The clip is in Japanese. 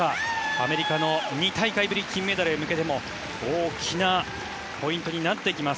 アメリカの２大会ぶり金メダルへ向けても大きなポイントになってきます。